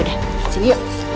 yaudah sini yuk